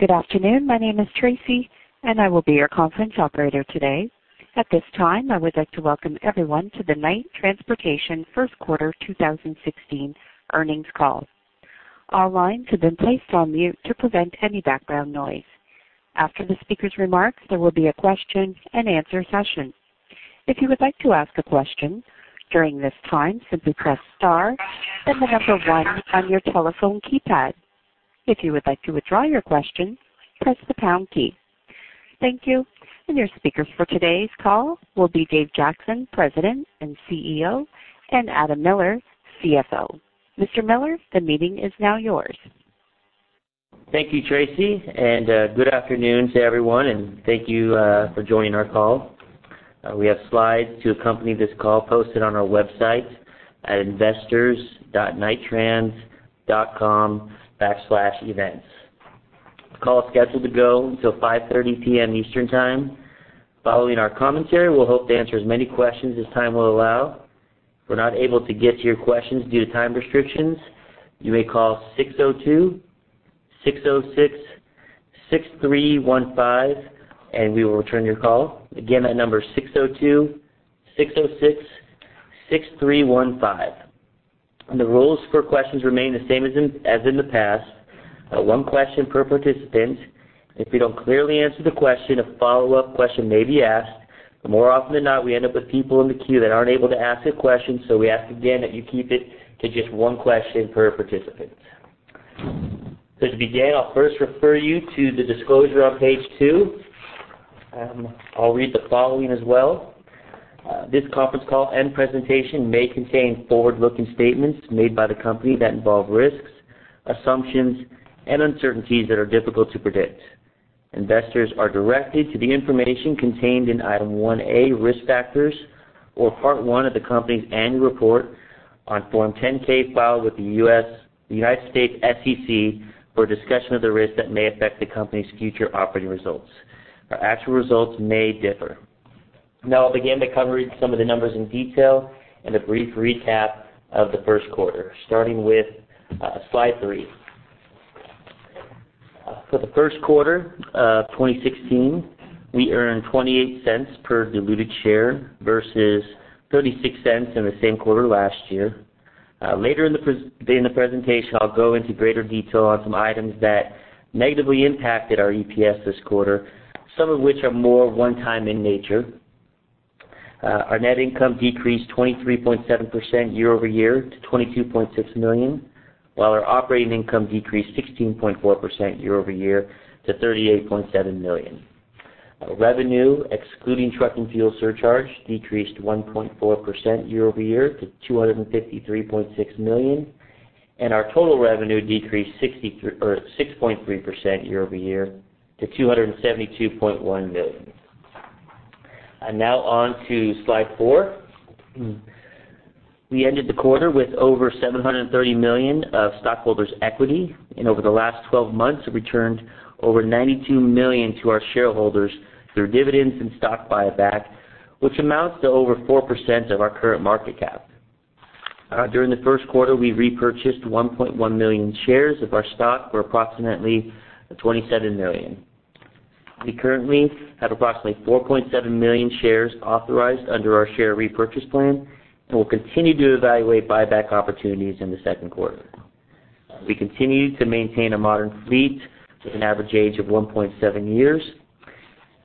Good afternoon. My name is Tracy, and I will be your conference operator today. At this time, I would like to welcome everyone to the Knight Transportation First Quarter 2016 Earnings Call. All lines have been placed on mute to prevent any background noise. After the speaker's remarks, there will be a question-and-answer session. If you would like to ask a question during this time, simply press star, then the number one on your telephone keypad. If you would like to withdraw your question, press the pound key. Thank you, and your speaker for today's call will be Dave Jackson, President and CEO, and Adam Miller, CFO. Mr. Miller, the meeting is now yours. Thank you, Tracy, and, good afternoon to everyone, and thank you, for joining our call. We have slides to accompany this call posted on our website at investors.knighttrans.com/events. The call is scheduled to go until 5:30 P.M. Eastern Time. Following our commentary, we'll hope to answer as many questions as time will allow. If we're not able to get to your questions due to time restrictions, you may call 602-606-6315, and we will return your call. Again, that number is 602-606-6315. And the rules for questions remain the same as in the past. One question per participant. If you don't clearly answer the question, a follow-up question may be asked. More often than not, we end up with people in the queue that aren't able to ask a question, so we ask again that you keep it to just one question per participant. To begin, I'll first refer you to the disclosure on page 2. I'll read the following as well. This conference call and presentation may contain forward-looking statements made by the company that involve risks, assumptions, and uncertainties that are difficult to predict. Investors are directed to the information contained in Item 1A, Risk Factors, or Part 1 of the company's annual report on Form 10-K filed with the United States SEC for a discussion of the risks that may affect the company's future operating results. Our actual results may differ. Now I'll begin to cover some of the numbers in detail and a brief recap of the first quarter, starting with slide 3. For the first quarter of 2016, we earned $0.28 per diluted share versus $0.36 in the same quarter last year. Later in the presentation, I'll go into greater detail on some items that negatively impacted our EPS this quarter, some of which are more one-time in nature. Our net income decreased 23.7% year-over-year to $22.6 million, while our operating income decreased 16.4% year-over-year to $38.7 million. Our revenue, excluding truck and fuel surcharge, decreased 1.4% year-over-year to $253.6 million, and our total revenue decreased 6.3% year-over-year to $272.1 million. Now on to slide four. We ended the quarter with over $730 million of stockholders' equity, and over the last 12 months, returned over $92 million to our shareholders through dividends and stock buyback, which amounts to over 4% of our current market cap. During the first quarter, we repurchased 1.1 million shares of our stock for approximately $27 million. We currently have approximately 4.7 million shares authorized under our share repurchase plan, and we'll continue to evaluate buyback opportunities in the second quarter. We continue to maintain a modern fleet with an average age of 1.7 years,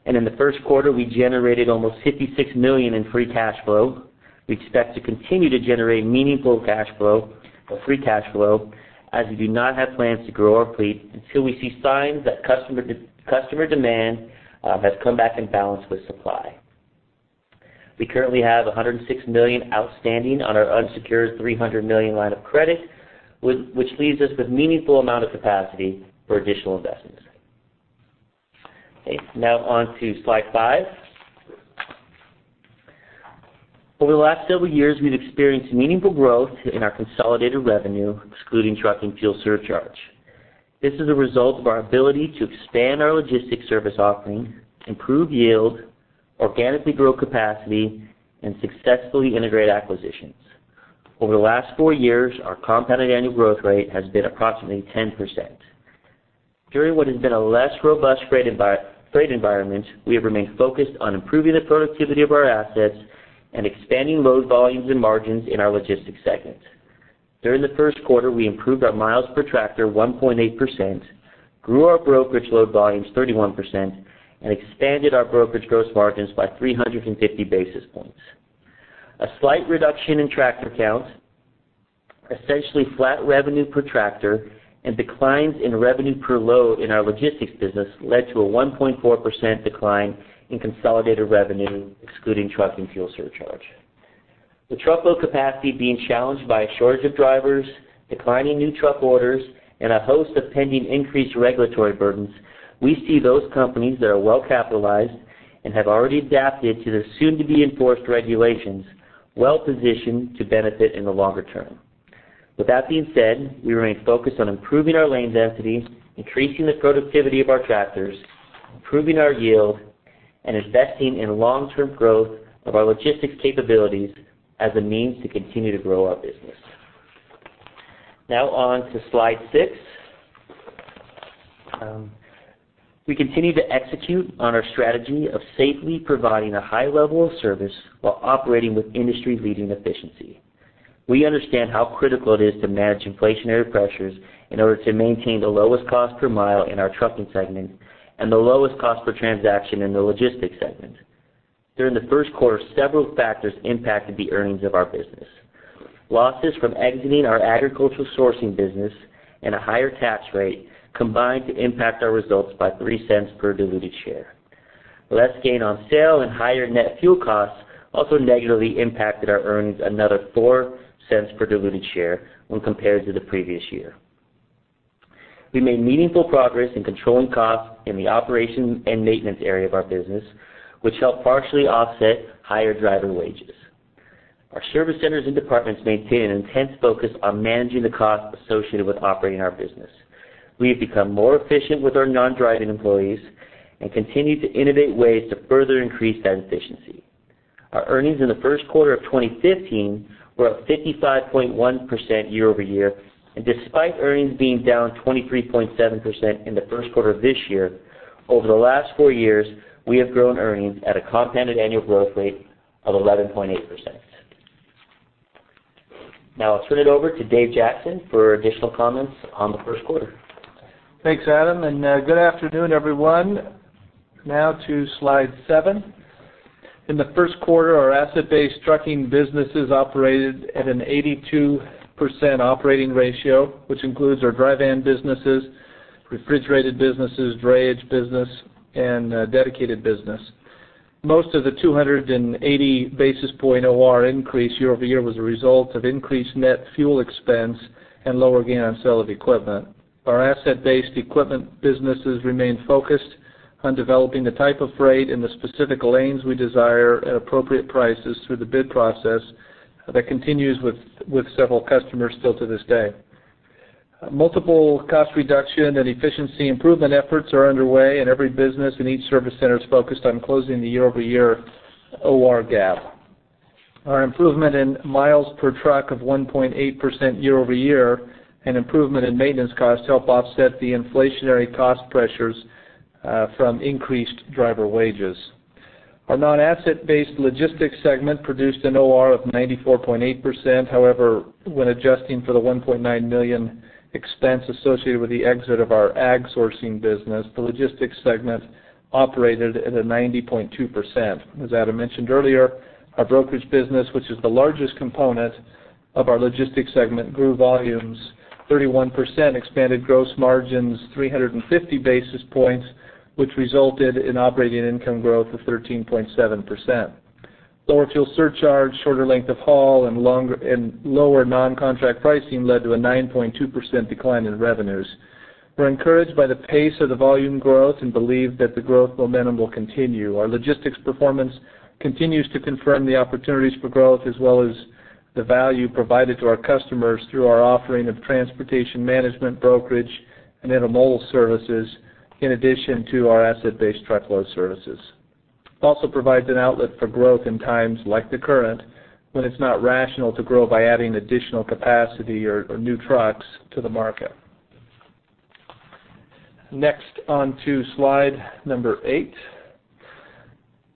and in the first quarter, we generated almost $56 million in free cash flow. We expect to continue to generate meaningful cash flow or free cash flow, as we do not have plans to grow our fleet until we see signs that customer demand has come back in balance with supply. We currently have $106 million outstanding on our unsecured $300 million line of credit, which leaves us with meaningful amount of capacity for additional investments. Okay, now on to slide 5. Over the last several years, we've experienced meaningful growth in our consolidated revenue, excluding truck and fuel surcharge. This is a result of our ability to expand our logistics service offering, improve yield, organically grow capacity, and successfully integrate acquisitions. Over the last four years, our compounded annual growth rate has been approximately 10%. During what has been a less robust freight environment, we have remained focused on improving the productivity of our assets and expanding load volumes and margins in our logistics segment. During the first quarter, we improved our miles per tractor 1.8%, grew our brokerage load volumes 31%, and expanded our brokerage gross margins by 350 basis points. A slight reduction in tractor count, essentially flat revenue per tractor, and declines in revenue per load in our logistics business led to a 1.4% decline in consolidated revenue, excluding truck and fuel surcharge. The truckload capacity being challenged by a shortage of drivers, declining new truck orders, and a host of pending increased regulatory burdens, we see those companies that are well-capitalized and have already adapted to the soon-to-be-enforced regulations, well-positioned to benefit in the longer term. With that being said, we remain focused on improving our lane density, increasing the productivity of our tractors, improving our yield, and investing in long-term growth of our logistics capabilities as a means to continue to grow our business.... Now on to slide 6. We continue to execute on our strategy of safely providing a high level of service while operating with industry-leading efficiency. We understand how critical it is to manage inflationary pressures in order to maintain the lowest cost per mile in our trucking segment and the lowest cost per transaction in the logistics segment. During the first quarter, several factors impacted the earnings of our business. Losses from exiting our agricultural sourcing business and a higher tax rate combined to impact our results by $0.03 per diluted share. Less gain on sale and higher net fuel costs also negatively impacted our earnings another $0.04 per diluted share when compared to the previous year. We made meaningful progress in controlling costs in the operation and maintenance area of our business, which helped partially offset higher driver wages. Our service centers and departments maintain an intense focus on managing the costs associated with operating our business. We have become more efficient with our non-driving employees and continue to innovate ways to further increase that efficiency. Our earnings in the first quarter of 2015 were up 55.1% year-over-year, and despite earnings being down 23.7% in the first quarter of this year, over the last four years, we have grown earnings at a compounded annual growth rate of 11.8%. Now I'll turn it over to Dave Jackson for additional comments on the first quarter. Thanks, Adam, and good afternoon, everyone. Now to Slide 7. In the first quarter, our asset-based trucking businesses operated at an 82% operating ratio, which includes our dry van businesses, refrigerated businesses, drayage business, and dedicated business. Most of the 280 basis point OR increase year-over-year was a result of increased net fuel expense and lower gain on sale of equipment. Our asset-based equipment businesses remain focused on developing the type of freight in the specific lanes we desire at appropriate prices through the bid process that continues with several customers still to this day. Multiple cost reduction and efficiency improvement efforts are underway, and every business in each service center is focused on closing the year-over-year OR gap. Our improvement in miles per truck of 1.8% year-over-year and improvement in maintenance costs help offset the inflationary cost pressures from increased driver wages. Our non-asset-based logistics segment produced an OR of 94.8%. However, when adjusting for the $1.9 million expense associated with the exit of our Ag sourcing business, the logistics segment operated at a 90.2%. As Adam mentioned earlier, our brokerage business, which is the largest component of our logistics segment, grew volumes 31%, expanded gross margins 350 basis points, which resulted in operating income growth of 13.7%. Lower fuel surcharge, shorter length of haul, and lower non-contract pricing led to a 9.2% decline in revenues. We're encouraged by the pace of the volume growth and believe that the growth momentum will continue. Our logistics performance continues to confirm the opportunities for growth, as well as the value provided to our customers through our offering of transportation management, brokerage, and intermodal services, in addition to our asset-based truckload services. It also provides an outlet for growth in times like the current, when it's not rational to grow by adding additional capacity or new trucks to the market. Next, on to slide number 8.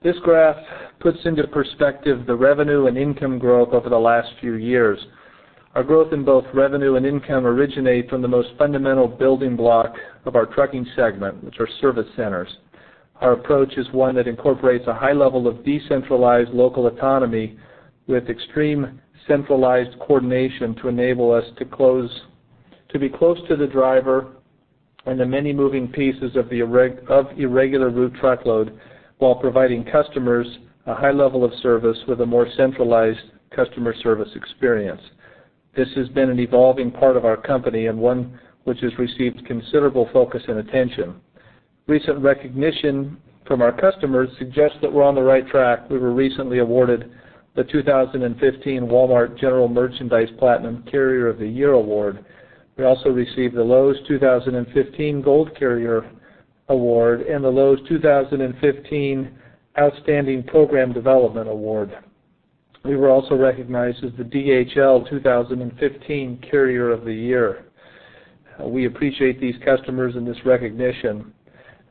This graph puts into perspective the revenue and income growth over the last few years. Our growth in both revenue and income originate from the most fundamental building block of our trucking segment, which are service centers. Our approach is one that incorporates a high level of decentralized local autonomy with extreme centralized coordination to enable us to be close to the driver and the many moving pieces of the irregular route truckload, while providing customers a high level of service with a more centralized customer service experience. This has been an evolving part of our company and one which has received considerable focus and attention. Recent recognition from our customers suggests that we're on the right track. We were recently awarded the 2015 Walmart General Merchandise Platinum Carrier of the Year Award. We also received the Lowe's 2015 Gold Carrier Award and the Lowe's 2015 Outstanding Program Development Award. We were also recognized as the DHL 2015 Carrier of the Year. We appreciate these customers and this recognition,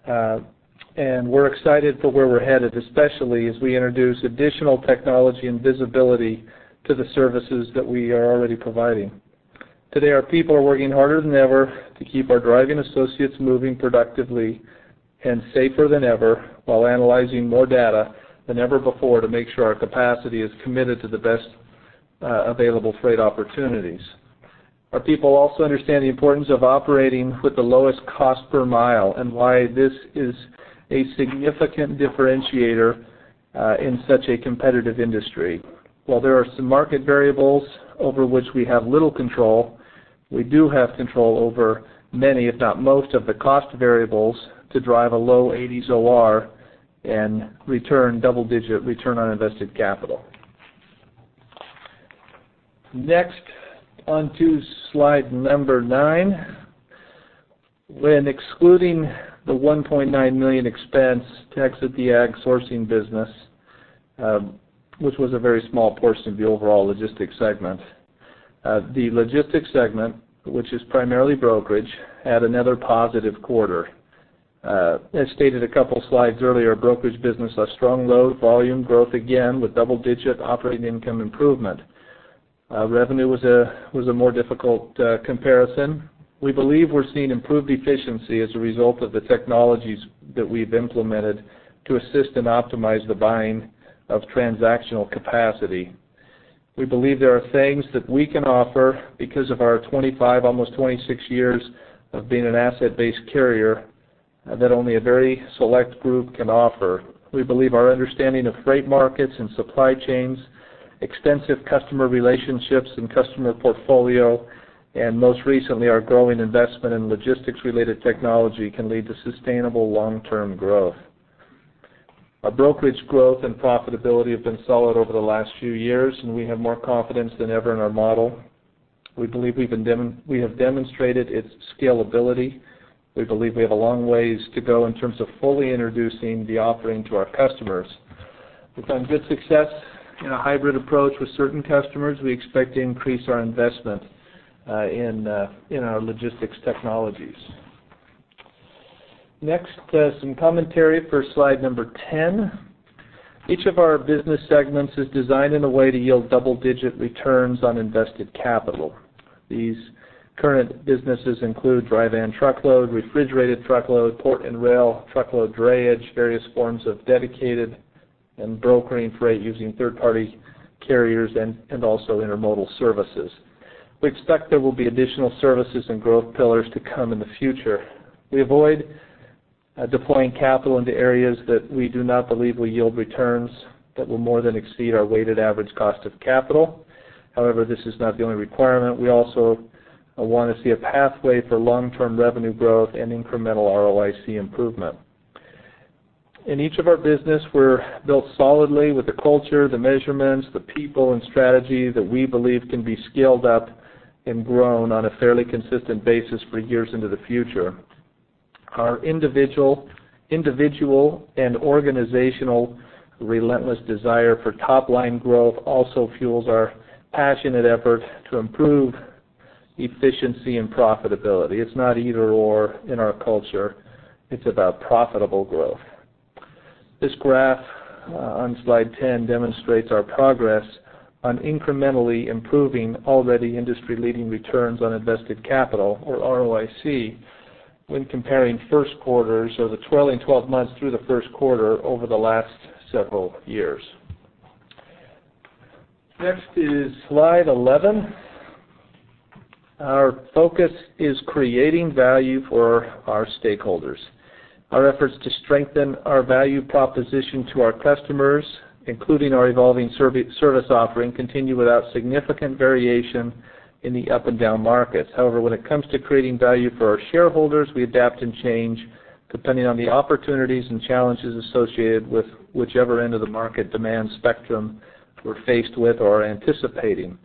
and we're excited for where we're headed, especially as we introduce additional technology and visibility to the services that we are already providing. Today, our people are working harder than ever to keep our driving associates moving productively and safer than ever while analyzing more data than ever before to make sure our capacity is committed to the best, available freight opportunities. Our people also understand the importance of operating with the lowest cost per mile and why this is a significant differentiator, in such a competitive industry. While there are some market variables over which we have little control, we do have control over many, if not most, of the cost variables to drive a low eighties OR and return double-digit return on invested capital. Next, on to slide number nine.... When excluding the $1.9 million expense to exit the Ag sourcing business, which was a very small portion of the overall logistics segment, the logistics segment, which is primarily brokerage, had another positive quarter. As stated a couple of slides earlier, brokerage business saw strong load volume growth again, with double-digit operating income improvement. Revenue was a more difficult comparison. We believe we're seeing improved efficiency as a result of the technologies that we've implemented to assist and optimize the buying of transactional capacity. We believe there are things that we can offer because of our 25, almost 26 years of being an asset-based carrier, that only a very select group can offer. We believe our understanding of freight markets and supply chains, extensive customer relationships and customer portfolio, and most recently, our growing investment in logistics-related technology, can lead to sustainable long-term growth. Our brokerage growth and profitability have been solid over the last few years, and we have more confidence than ever in our model. We believe we have demonstrated its scalability. We believe we have a long ways to go in terms of fully introducing the offering to our customers. We've found good success in a hybrid approach with certain customers. We expect to increase our investment in our logistics technologies. Next, some commentary for slide number 10. Each of our business segments is designed in a way to yield double-digit returns on invested capital. These current businesses include dry van truckload, refrigerated truckload, port and rail, truckload drayage, various forms of dedicated and brokering freight using third-party carriers and also intermodal services. We expect there will be additional services and growth pillars to come in the future. We avoid deploying capital into areas that we do not believe will yield returns that will more than exceed our weighted average cost of capital. However, this is not the only requirement. We also want to see a pathway for long-term revenue growth and incremental ROIC improvement. In each of our business, we're built solidly with the culture, the measurements, the people, and strategy that we believe can be scaled up and grown on a fairly consistent basis for years into the future. Our individual and organizational relentless desire for top line growth also fuels our passionate effort to improve efficiency and profitability. It's not either/or in our culture, it's about profitable growth. This graph on slide 10 demonstrates our progress on incrementally improving already industry-leading returns on invested capital, or ROIC, when comparing first quarters or the trailing 12 months through the first quarter over the last several years. Next is slide 11. Our focus is creating value for our stakeholders. Our efforts to strengthen our value proposition to our customers, including our evolving service offering, continue without significant variation in the up and down markets. However, when it comes to creating value for our shareholders, we adapt and change depending on the opportunities and challenges associated with whichever end of the market demand spectrum we're faced with or anticipating.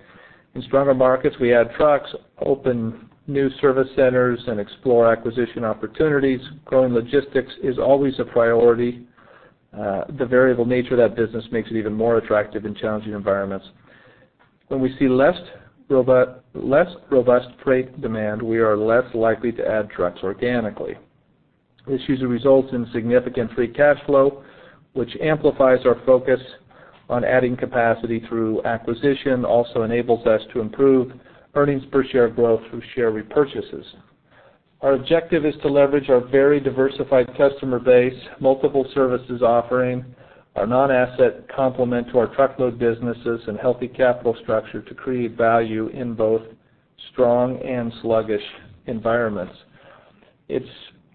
In stronger markets, we add trucks, open new service centers, and explore acquisition opportunities. Growing logistics is always a priority. The variable nature of that business makes it even more attractive in challenging environments. When we see less robust, less robust freight demand, we are less likely to add trucks organically. This usually results in significant free cash flow, which amplifies our focus on adding capacity through acquisition, also enables us to improve earnings per share growth through share repurchases. Our objective is to leverage our very diversified customer base, multiple services offering, our non-asset complement to our truckload businesses, and healthy capital structure to create value in both strong and sluggish environments. It's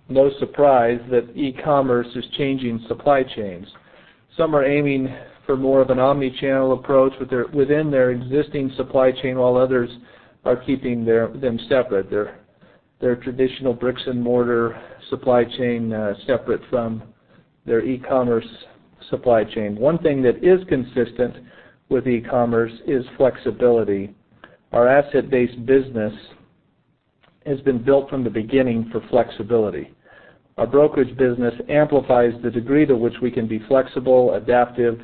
no surprise that e-commerce is changing supply chains. Some are aiming for more of an omni-channel approach with their within their existing supply chain, while others are keeping their them separate, their, their traditional bricks-and-mortar supply chain, separate from their e-commerce supply chain. One thing that is consistent with e-commerce is flexibility. Our asset-based business has been built from the beginning for flexibility. Our brokerage business amplifies the degree to which we can be flexible, adaptive,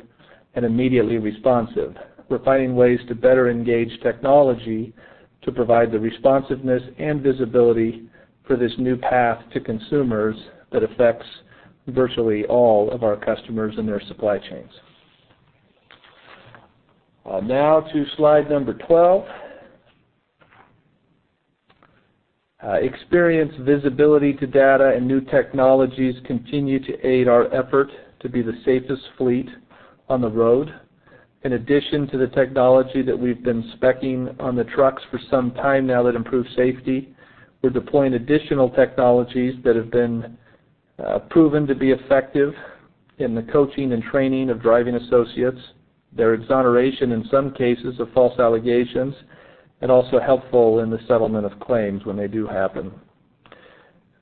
and immediately responsive. We're finding ways to better engage technology to provide the responsiveness and visibility for this new path to consumers that affects virtually all of our customers and their supply chains. Now to slide number 12. Experience, visibility to data, and new technologies continue to aid our effort to be the safest fleet on the road. In addition to the technology that we've been speccing on the trucks for some time now that improves safety, we're deploying additional technologies that have been proven to be effective in the coaching and training of driving associates, their exoneration, in some cases, of false allegations, and also helpful in the settlement of claims when they do happen.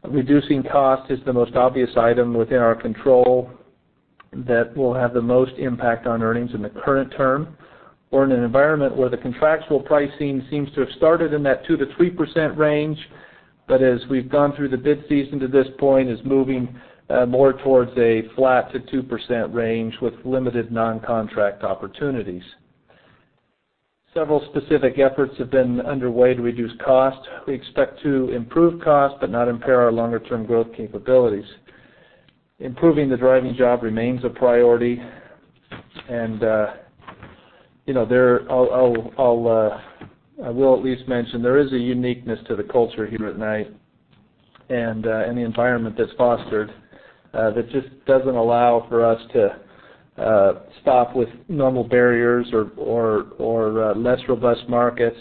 Reducing cost is the most obvious item within our control that will have the most impact on earnings in the current term, or in an environment where the contractual pricing seems to have started in that 2%-3% range. But as we've gone through the bid season to this point, is moving more towards a flat to 2% range with limited non-contract opportunities. Several specific efforts have been underway to reduce cost. We expect to improve cost, but not impair our longer-term growth capabilities. Improving the driving job remains a priority, and you know, there, I will at least mention there is a uniqueness to the culture here at Knight and the environment that's fostered that just doesn't allow for us to stop with normal barriers or less robust markets.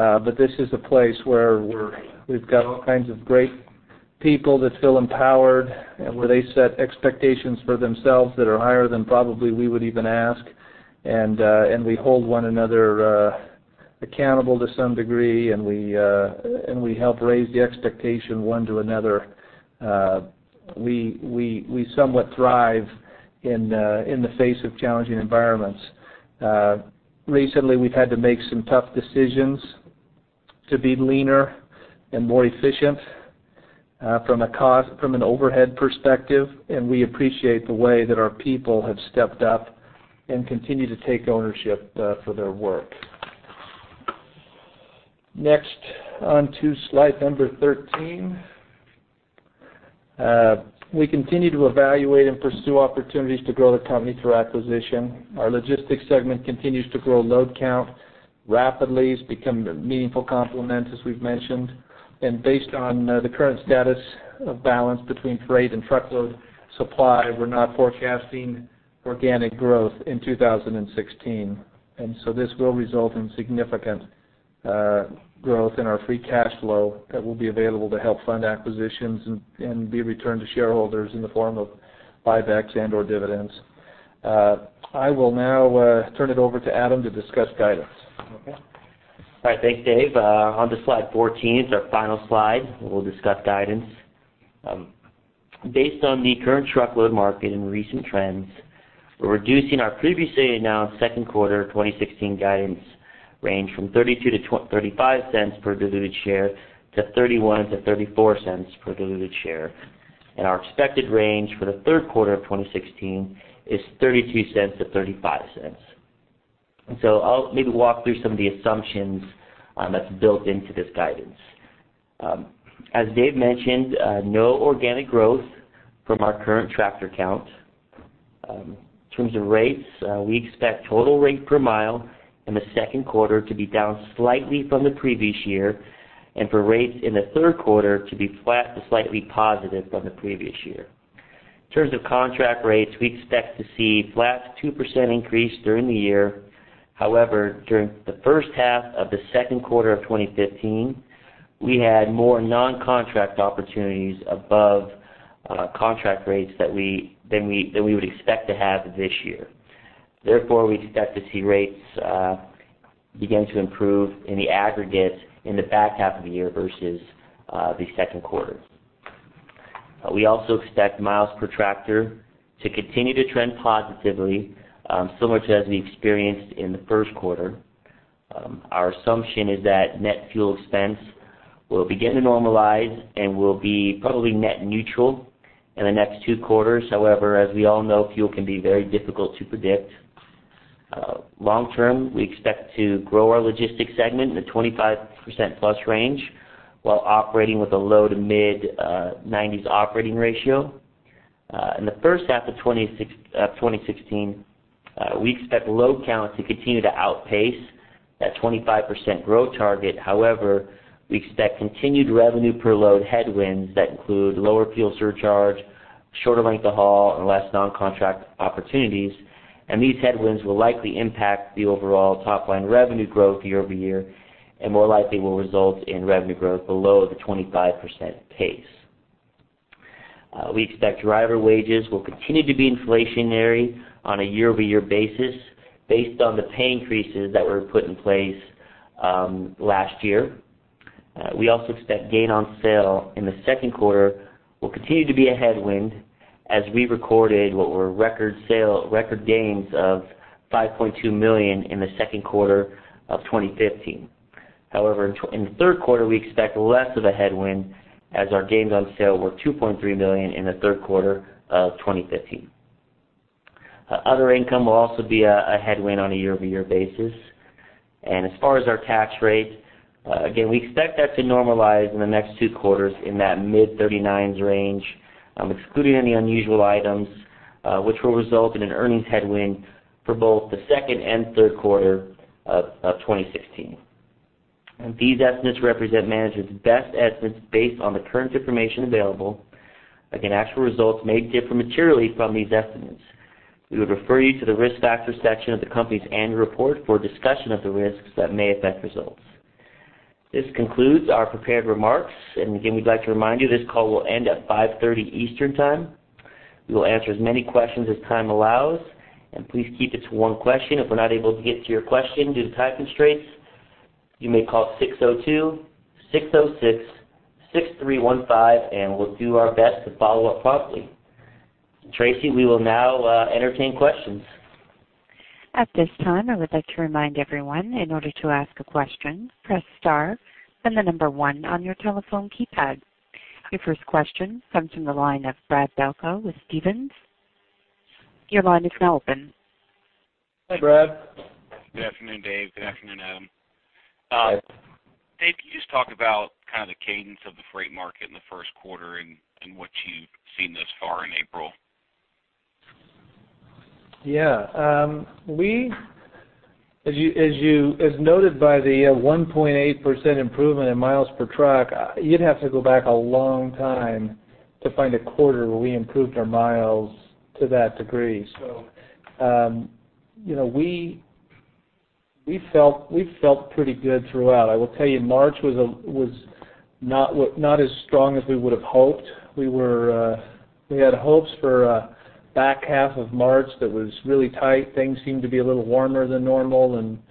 But this is a place where we've got all kinds of great people that feel empowered, and where they set expectations for themselves that are higher than probably we would even ask. And we hold one another accountable to some degree, and we help raise the expectation one to another. We somewhat thrive in the face of challenging environments. Recently, we've had to make some tough decisions to be leaner and more efficient, from a cost, from an overhead perspective, and we appreciate the way that our people have stepped up and continue to take ownership for their work. Next, on to slide number 13. We continue to evaluate and pursue opportunities to grow the company through acquisition. Our logistics segment continues to grow load count rapidly. It's become a meaningful complement, as we've mentioned, and based on the current status of balance between freight and truckload supply, we're not forecasting organic growth in 2016. And so this will result in significant growth in our free cash flow that will be available to help fund acquisitions and be returned to shareholders in the form of buybacks and/or dividends. I will now turn it over to Adam to discuss guidance. Okay. All right. Thanks, Dave. On to slide 14, it's our final slide, we'll discuss guidance. Based on the current truckload market and recent trends, we're reducing our previously announced second quarter 2016 guidance range from $0.32-$0.35 per diluted share to $0.31-$0.34 per diluted share. Our expected range for the third quarter of 2016 is $0.32-$0.35. So I'll maybe walk through some of the assumptions that's built into this guidance. As Dave mentioned, no organic growth from our current tractor count. In terms of rates, we expect total rate per mile in the second quarter to be down slightly from the previous year, and for rates in the third quarter to be flat to slightly positive from the previous year. In terms of contract rates, we expect to see flat to 2% increase during the year. However, during the first half of the second quarter of 2015, we had more non-contract opportunities above contract rates than we would expect to have this year. Therefore, we expect to see rates begin to improve in the aggregate in the back half of the year versus the second quarter. We also expect miles per tractor to continue to trend positively, similar to as we experienced in the first quarter. Our assumption is that net fuel expense will begin to normalize and will be probably net neutral in the next two quarters. However, as we all know, fuel can be very difficult to predict. Long term, we expect to grow our logistics segment in the 25%+ range, while operating with a low-to-mid 90s operating ratio. In the first half of 2016, we expect load counts to continue to outpace that 25% growth target. However, we expect continued revenue per load headwinds that include lower fuel surcharge, shorter length of haul, and less non-contract opportunities. And these headwinds will likely impact the overall top-line revenue growth year-over-year, and more likely will result in revenue growth below the 25% pace. We expect driver wages will continue to be inflationary on a year-over-year basis, based on the pay increases that were put in place last year. We also expect gain on sale in the second quarter will continue to be a headwind, as we recorded what were record sale, record gains of $5.2 million in the second quarter of 2015. However, in the third quarter, we expect less of a headwind as our gains on sale were $2.3 million in the third quarter of 2015. Other income will also be a headwind on a year-over-year basis. As far as our tax rate, again, we expect that to normalize in the next two quarters in that mid-30s range, excluding any unusual items, which will result in an earnings headwind for both the second and third quarter of 2016. These estimates represent management's best estimates based on the current information available. Again, actual results may differ materially from these estimates. We would refer you to the Risk Factors section of the company's annual report for a discussion of the risks that may affect results. This concludes our prepared remarks, and again, we'd like to remind you this call will end at 5:30 P.M. Eastern Time. We will answer as many questions as time allows, and please keep it to one question. If we're not able to get to your question due to time constraints. ... you may call 602-606-6315, and we'll do our best to follow up promptly. Tracy, we will now entertain questions. At this time, I would like to remind everyone, in order to ask a question, press star, then the number one on your telephone keypad. Your first question comes from the line of Brad Delco with Stephens. Your line is now open. Hi, Brad. Good afternoon, Dave. Good afternoon, Adam. Hi. Dave, can you just talk about kind of the cadence of the freight market in the first quarter and what you've seen thus far in April? Yeah, as you noted by the 1.8% improvement in miles per truck, you'd have to go back a long time to find a quarter where we improved our miles to that degree. So, you know, we felt pretty good throughout. I will tell you, March was not what—not as strong as we would have hoped. We had hopes for a back half of March that was really tight. Things seemed to be a little warmer than normal. And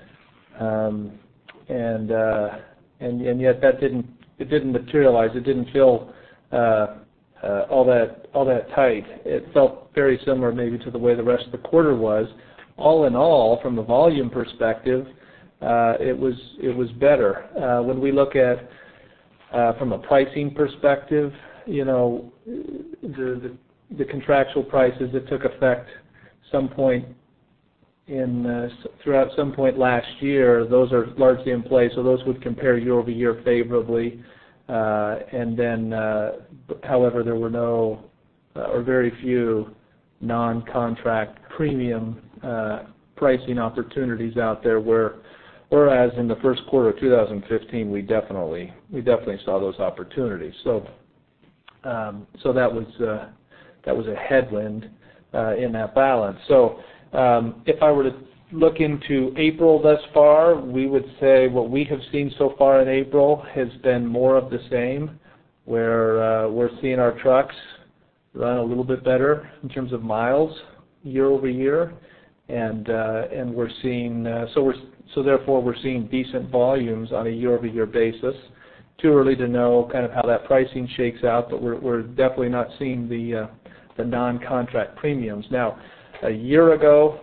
yet that didn't, it didn't materialize. It didn't feel all that tight. It felt very similar, maybe to the way the rest of the quarter was. All in all, from the volume perspective, it was better. When we look at from a pricing perspective, you know, the contractual prices that took effect some point throughout last year, those are largely in place, so those would compare year-over-year favorably. And then, however, there were no or very few non-contract premium pricing opportunities out there, whereas in the first quarter of 2015, we definitely saw those opportunities. So, that was a headwind in that balance. So, if I were to look into April thus far, we would say what we have seen so far in April has been more of the same, where we're seeing our trucks run a little bit better in terms of miles year-over-year. We're seeing decent volumes on a year-over-year basis. Too early to know kind of how that pricing shakes out, but we're definitely not seeing the non-contract premiums. Now, a year ago,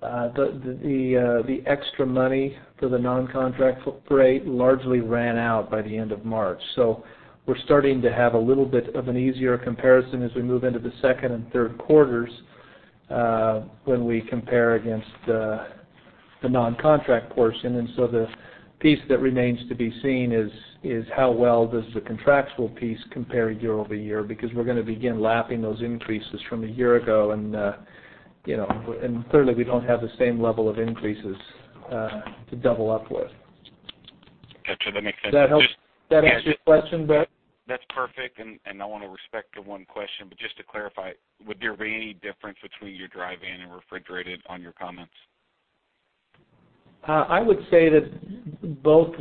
the extra money for the non-contract freight largely ran out by the end of March. So we're starting to have a little bit of an easier comparison as we move into the second and third quarters, when we compare against the non-contract portion. And so the piece that remains to be seen is how well does the contractual piece compare year-over-year? Because we're going to begin lapping those increases from a year ago, and, you know, and clearly, we don't have the same level of increases to double up with. Got you. That makes sense. Does that help? Does that answer your question, Brad? That's perfect, and I want to respect the one question, but just to clarify, would there be any difference between your dry van and refrigerated on your comments? I would say that both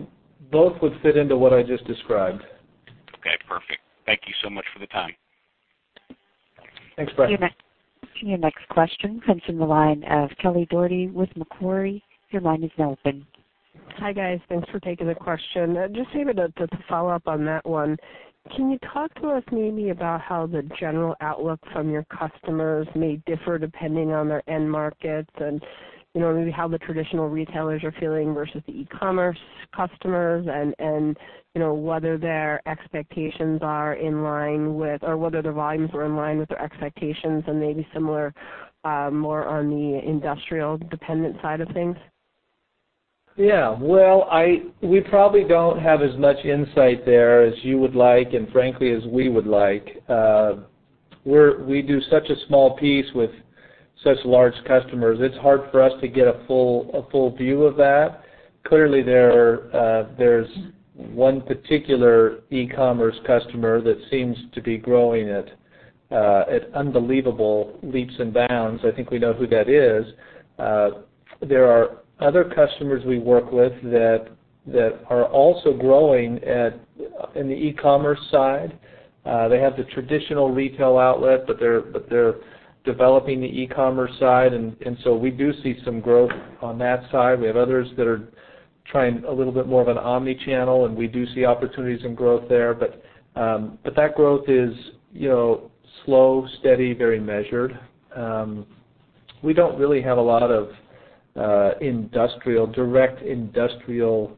would fit into what I just described. Okay, perfect. Thank you so much for the time. Thanks, Brad. Your next question comes from the line of Kelly Dougherty with Macquarie. Your line is now open. Hi, guys. Thanks for taking the question. Just maybe to just follow up on that one, can you talk to us maybe about how the general outlook from your customers may differ depending on their end markets? And, you know, maybe how the traditional retailers are feeling versus the e-commerce customers, and you know, whether their expectations are in line with, or whether their volumes are in line with their expectations, and maybe similar, more on the industrial dependent side of things. Yeah. Well, we probably don't have as much insight there as you would like and frankly, as we would like. We're we do such a small piece with such large customers, it's hard for us to get a full, a full view of that. Clearly, there's one particular e-commerce customer that seems to be growing at unbelievable leaps and bounds. I think we know who that is. There are other customers we work with that are also growing at, in the e-commerce side. They have the traditional retail outlet, but they're developing the e-commerce side, and so we do see some growth on that side. We have others that are trying a little bit more of an omni-channel, and we do see opportunities and growth there. But that growth is, you know, slow, steady, very measured. We don't really have a lot of industrial, direct industrial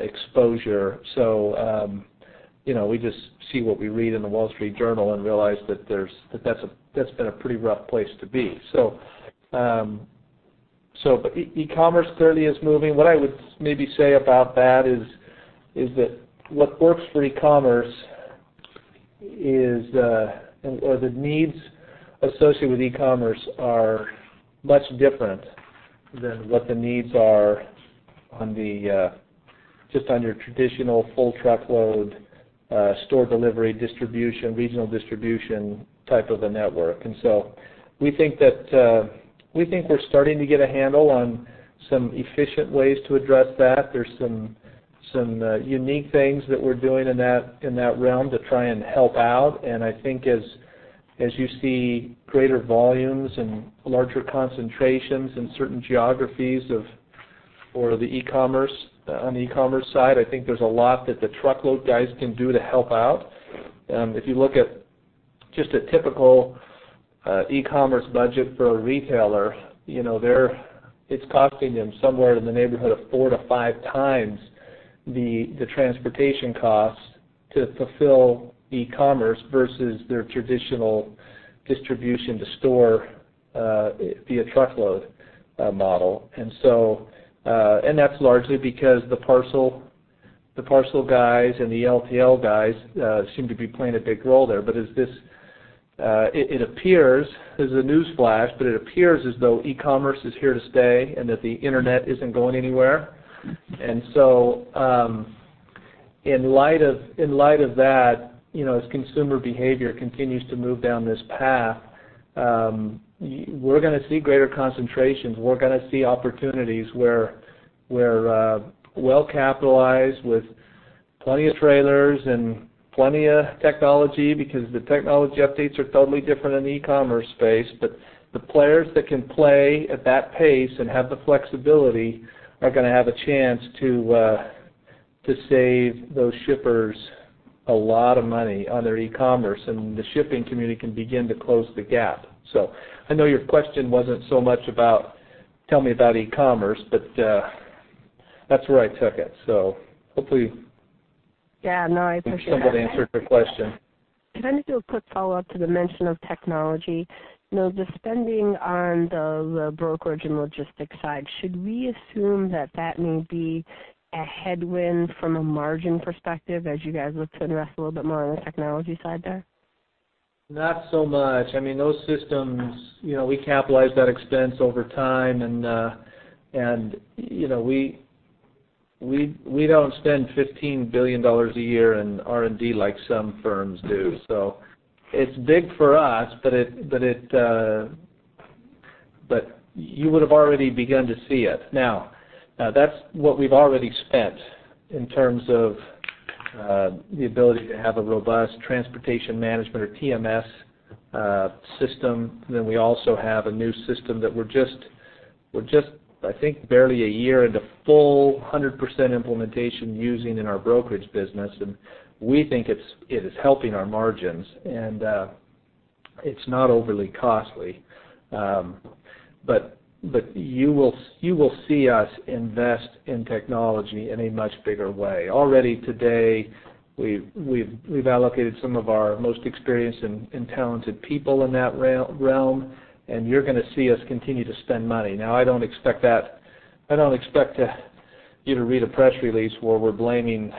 exposure. So, you know, we just see what we read in The Wall Street Journal and realize that that's been a pretty rough place to be. So but e-commerce clearly is moving. What I would maybe say about that is that what works for e-commerce is, or the needs associated with e-commerce are much different than what the needs are on just your traditional full truckload store delivery, distribution, regional distribution type of a network. And so we think that we think we're starting to get a handle on some efficient ways to address that. There's some unique things that we're doing in that realm to try and help out. I think as you see greater volumes and larger concentrations in certain geographies or the e-commerce, on the e-commerce side, I think there's a lot that the truckload guys can do to help out. If you look at just a typical e-commerce budget for a retailer, you know, it's costing them somewhere in the neighborhood of 4-5 times the transportation costs to fulfill e-commerce versus their traditional distribution to store via truckload model. And so, and that's largely because the parcel guys and the LTL guys seem to be playing a big role there. But as this, it appears, this is a newsflash, but it appears as though e-commerce is here to stay and that the internet isn't going anywhere. And so, in light of, in light of that, you know, as consumer behavior continues to move down this path, we're gonna see greater concentrations. We're gonna see opportunities where we're well-capitalized with plenty of trailers and plenty of technology, because the technology updates are totally different in the e-commerce space. But the players that can play at that pace and have the flexibility are gonna have a chance to save those shippers a lot of money on their e-commerce, and the shipping community can begin to close the gap. So I know your question wasn't so much about, tell me about e-commerce, but that's where I took it, so hopefully- Yeah, no, I appreciate that. Hopefully, somewhat answered your question. Can I just do a quick follow-up to the mention of technology? You know, the spending on the brokerage and logistics side, should we assume that that may be a headwind from a margin perspective as you guys look to invest a little bit more on the technology side there? Not so much. I mean, those systems, you know, we capitalize that expense over time, and, you know, we don't spend $15 billion a year in R&D like some firms do. So it's big for us, but it, but you would have already begun to see it. Now, that's what we've already spent in terms of the ability to have a robust transportation management or TMS system. Then we also have a new system that we're just, I think, barely a year into full 100% implementation using in our brokerage business, and we think it's, it is helping our margins, and, it's not overly costly. But you will see us invest in technology in a much bigger way. Already today, we've allocated some of our most experienced and talented people in that real realm, and you're gonna see us continue to spend money. Now, I don't expect that... I don't expect you to read a press release where we're blaming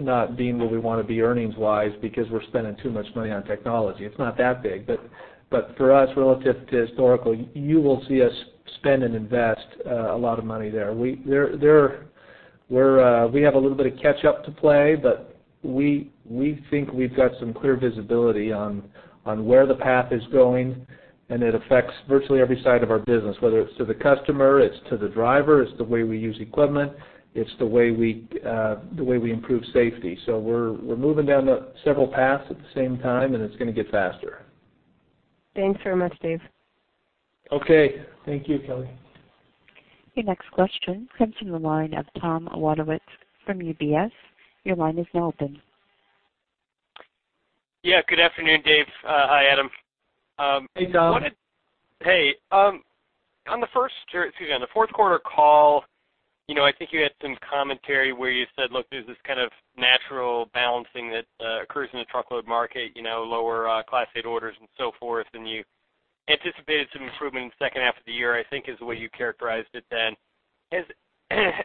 not being where we want to be earnings-wise because we're spending too much money on technology. It's not that big. But for us, relative to historical, you will see us spend and invest a lot of money there. We're, we have a little bit of catch up to play, but we think we've got some clear visibility on where the path is going, and it affects virtually every side of our business, whether it's to the customer, it's to the driver, it's the way we use equipment, it's the way we improve safety. So we're moving down the several paths at the same time, and it's gonna get faster. Thanks very much, Dave. Okay. Thank you, Kelly. Your next question comes from the line of Tom Wadewitz from UBS. Your line is now open. Yeah, good afternoon, Dave. Hi, Adam. Hey, Tom. On the fourth quarter call, you know, I think you had some commentary where you said, “Look, there's this kind of natural balancing that occurs in the truckload market, you know, lower Class 8 orders and so forth, and you anticipated some improvement in the second half of the year, I think is the way you characterized it then.”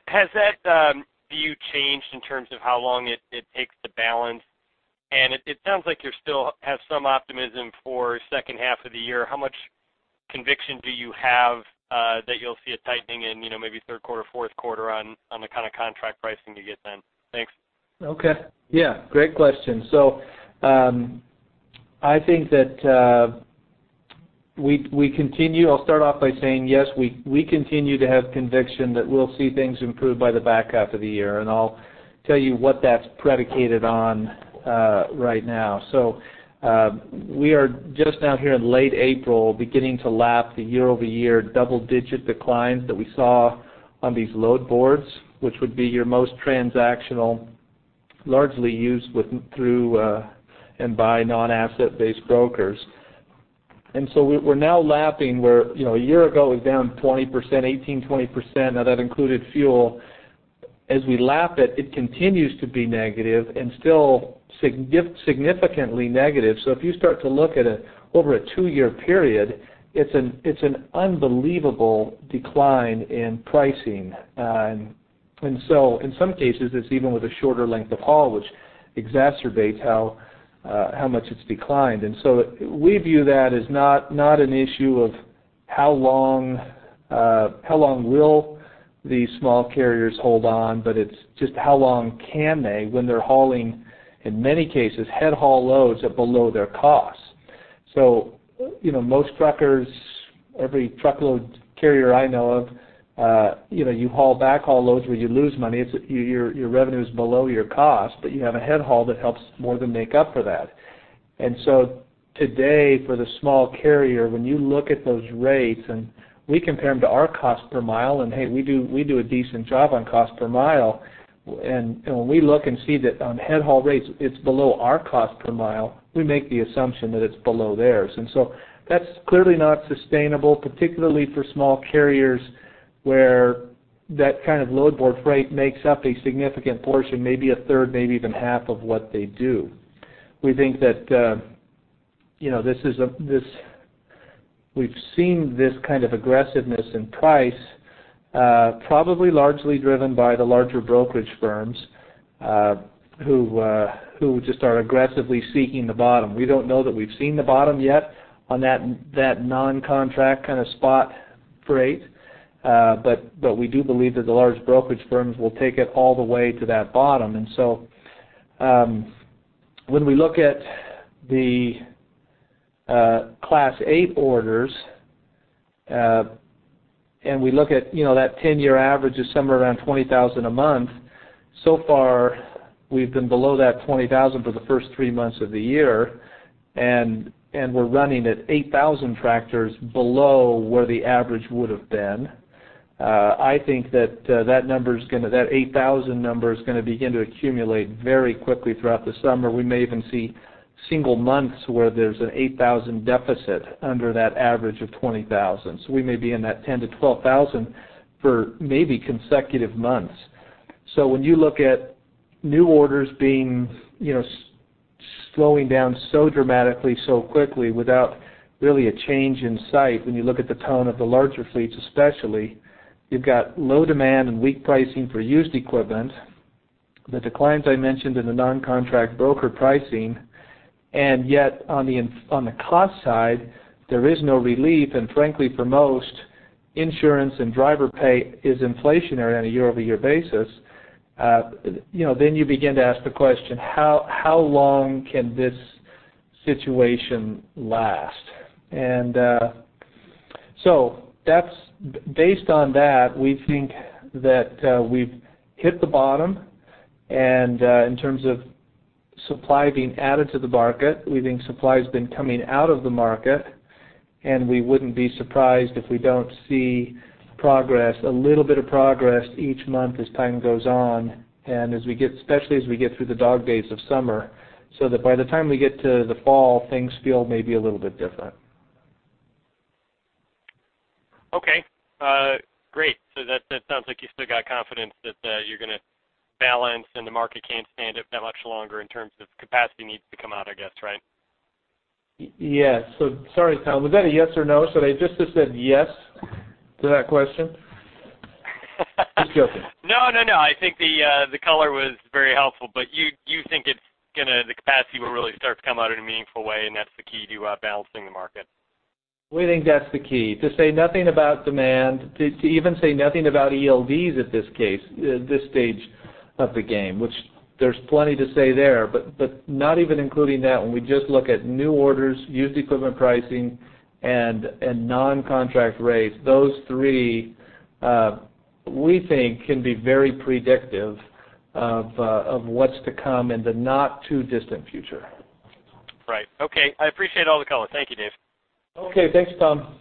Has that view changed in terms of how long it takes to balance? And it sounds like you still have some optimism for second half of the year. How much conviction do you have that you'll see a tightening in, you know, maybe third quarter, fourth quarter on the kind of contract pricing you get then? Thanks. Okay. Yeah, great question. So, I think that, we continue... I'll start off by saying, yes, we continue to have conviction that we'll see things improve by the back half of the year, and I'll tell you what that's predicated on, right now. So, we are just now here in late April, beginning to lap the year-over-year double-digit declines that we saw on these load boards, which would be your most transactional, largely used with through, and by non-asset-based brokers. And so we're now lapping where, you know, a year ago, it was down 20%, 18%, 20%. Now, that included fuel. As we lap it, it continues to be negative and still significantly negative. So if you start to look at it over a 2-year period, it's an unbelievable decline in pricing. And so in some cases, it's even with a shorter length of haul, which exacerbates how, how much it's declined. And so we view that as not, not an issue of how long, how long will these small carriers hold on, but it's just how long can they, when they're hauling, in many cases, headhaul loads at below their costs. So, you know, most truckers, every truckload carrier I know of, you know, you haul backhaul loads where you lose money. It's your, your revenue is below your cost, but you have a headhaul that helps more than make up for that. And so today, for the small carrier, when you look at those rates, and we compare them to our cost per mile, and hey, we do, we do a decent job on cost per mile. When we look and see that on headhaul rates, it's below our cost per mile, we make the assumption that it's below theirs. So that's clearly not sustainable, particularly for small carriers, where that kind of load board freight makes up a significant portion, maybe a third, maybe even half of what they do. We think that, you know, this. We've seen this kind of aggressiveness in price, probably largely driven by the larger brokerage firms, who just are aggressively seeking the bottom. We don't know that we've seen the bottom yet on that non-contract kind of spot freight, but we do believe that the large brokerage firms will take it all the way to that bottom. When we look at the Class 8 orders, and we look at, you know, that ten-year average is somewhere around 20,000 a month. So far, we've been below that 20,000 for the first three months of the year, and we're running at 8,000 tractors below where the average would have been. I think that that number is gonna, that 8,000 number is gonna begin to accumulate very quickly throughout the summer. We may even see single months where there's an 8,000 deficit under that average of 20,000. So we may be in that 10,000-12,000 for maybe consecutive months. So when you look at new orders being, you know, slowing down so dramatically, so quickly, without really a change in sight, when you look at the tone of the larger fleets especially, you've got low demand and weak pricing for used equipment. The declines I mentioned in the non-contract broker pricing, and yet on the cost side, there is no relief, and frankly, for most, insurance and driver pay is inflationary on a year-over-year basis. You know, then you begin to ask the question, how long can this situation last? And so that's—based on that, we think that we've hit the bottom. In terms of supply being added to the market, we think supply has been coming out of the market, and we wouldn't be surprised if we don't see progress, a little bit of progress each month as time goes on, and as we get, especially as we get through the dog days of summer, so that by the time we get to the fall, things feel maybe a little bit different. Okay, great. So that, that sounds like you still got confidence that, you're gonna balance and the market can't stand it that much longer in terms of capacity needs to come out, I guess, right? Yes. So sorry, Tom, was that a yes or no? Should I just have said yes to that question? Just joking. No, no, no. I think the color was very helpful, but you think it's gonna, the capacity will really start to come out in a meaningful way, and that's the key to balancing the market. We think that's the key. To say nothing about demand, to even say nothing about ELDs in this case, this stage of the game, which there's plenty to say there, but not even including that, when we just look at new orders, used equipment pricing, and non-contract rates, those three, we think can be very predictive of what's to come in the not too distant future. Right. Okay, I appreciate all the color. Thank you, Dave. Okay, thanks, Tom.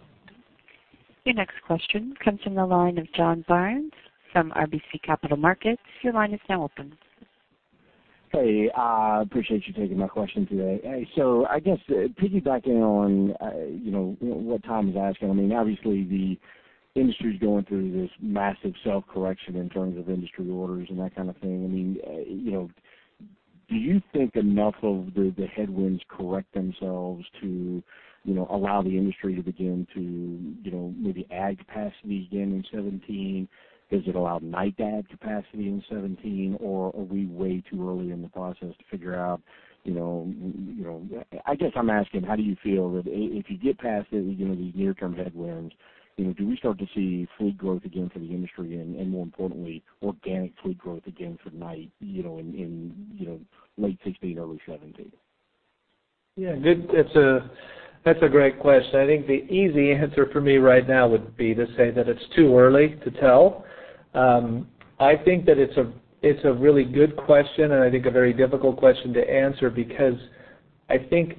Your next question comes from the line of John Barnes from RBC Capital Markets. Your line is now open. Hey, appreciate you taking my question today. So I guess, piggybacking on, you know, what Tom was asking, I mean, obviously, the industry is going through this massive self-correction in terms of industry orders and that kind of thing. I mean, you know, do you think enough of the headwinds correct themselves to, you know, allow the industry to begin to, you know, maybe add capacity again in 2017? Does it allow Knight to add capacity in 2017, or are we way too early in the process to figure out, you know, you know... I guess I'm asking, how do you feel that if you get past the, you know, the near-term headwinds, you know, do we start to see fleet growth again for the industry, and more importantly, organic fleet growth again for Knight, you know, in late 2016, early 2017? Yeah, that's a great question. I think the easy answer for me right now would be to say that it's too early to tell. I think that it's a really good question, and I think a very difficult question to answer because I think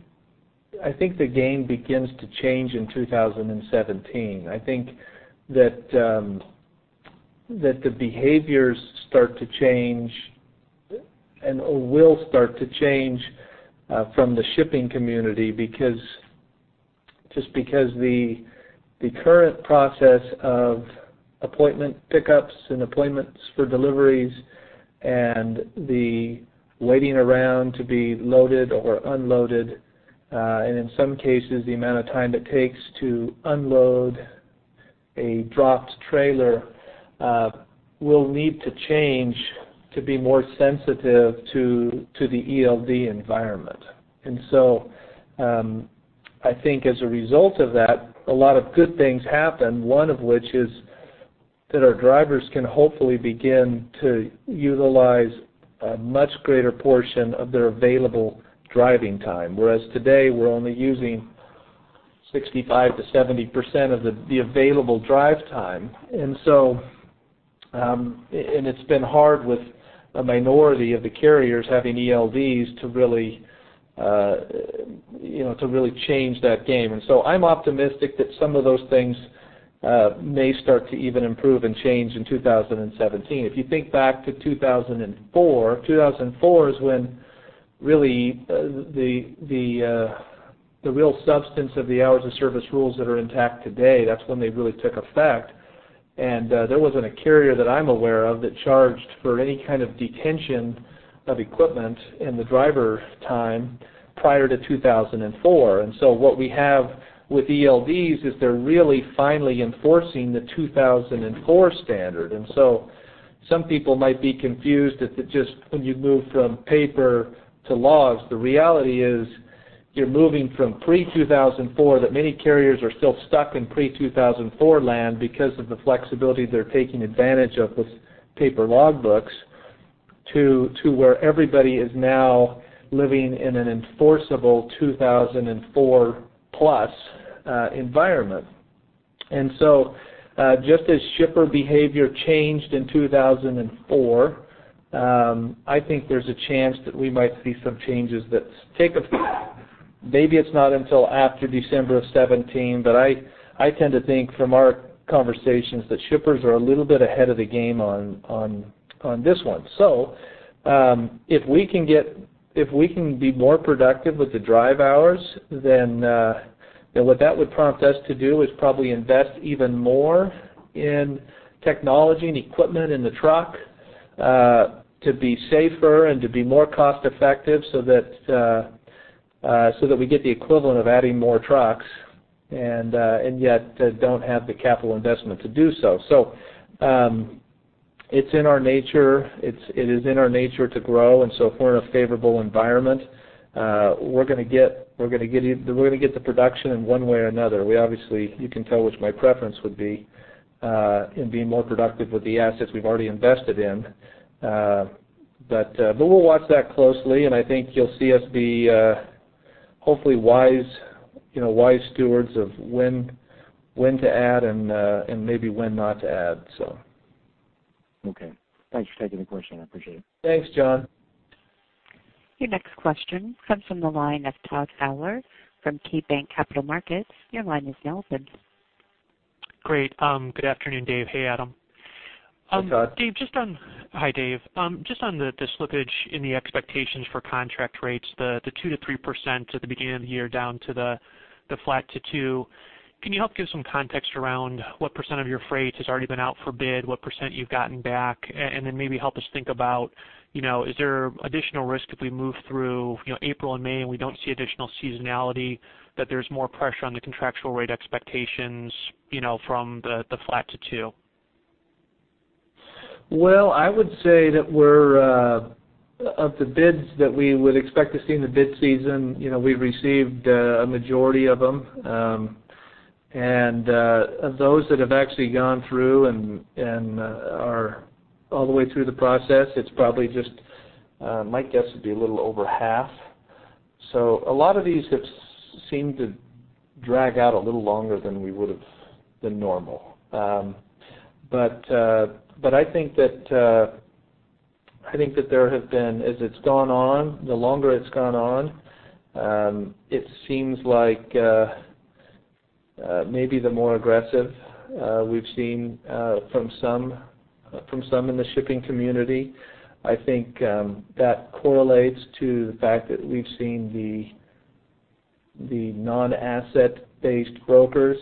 the game begins to change in 2017. I think that the behaviors start to change and will start to change from the shipping community because just because the current process of appointment pickups and appointments for deliveries and the waiting around to be loaded or unloaded, and in some cases, the amount of time that takes to unload a dropped trailer, will need to change to be more sensitive to the ELD environment. I think as a result of that, a lot of good things happen, one of which is that our drivers can hopefully begin to utilize a much greater portion of their available driving time, whereas today, we're only using 65%-70% of the available drive time. And it's been hard with a minority of the carriers having ELDs to really, you know, to really change that game. I'm optimistic that some of those things may start to even improve and change in 2017. If you think back to 2004, 2004 is when really the real substance of the hours of service rules that are intact today, that's when they really took effect. There wasn't a carrier that I'm aware of that charged for any kind of detention of equipment and the driver time prior to 2004. So what we have with ELDs is they're really finally enforcing the 2004 standard. So some people might be confused if it just, when you move from paper to logs, the reality is you're moving from pre-2004, that many carriers are still stuck in pre-2004 land because of the flexibility they're taking advantage of with paper logbooks, to where everybody is now living in an enforceable 2004+ environment. So, just as shipper behavior changed in 2004, I think there's a chance that we might see some changes that take effect. Maybe it's not until after December of 2017, but I tend to think from our conversations that shippers are a little bit ahead of the game on this one. So, if we can be more productive with the drive hours, then what that would prompt us to do is probably invest even more in technology and equipment in the truck to be safer and to be more cost effective, so that we get the equivalent of adding more trucks and yet don't have the capital investment to do so. So, it's in our nature to grow, and so if we're in a favorable environment, we're gonna get the production in one way or another. We obviously, you can tell which my preference would be, in being more productive with the assets we've already invested in. But, but we'll watch that closely, and I think you'll see us be, hopefully wise, you know, wise stewards of when, when to add and, and maybe when not to add, so. Okay. Thanks for taking the question. I appreciate it. Thanks, John. Your next question comes from the line of Todd Fowler from KeyBanc Capital Markets. Your line is now open. Great. Good afternoon, Dave. Hey, Adam. Hey, Todd. Hi, Dave. Just on the slippage in the expectations for contract rates, the 2%-3% at the beginning of the year, down to the flat to 2%, can you help give some context around what percent of your freight has already been out for bid, what percent you've gotten back? And then maybe help us think about, you know, is there additional risk if we move through, you know, April and May, and we don't see additional seasonality, that there's more pressure on the contractual rate expectations, you know, from the flat to 2%? Well, I would say that we're of the bids that we would expect to see in the bid season, you know, we've received a majority of them. And of those that have actually gone through and are all the way through the process, it's probably just my guess would be a little over half. So a lot of these have seemed to drag out a little longer than we would have than normal. But I think that there have been, as it's gone on, the longer it's gone on, it seems like maybe the more aggressive we've seen from some in the shipping community. I think that correlates to the fact that we've seen the non-asset-based brokers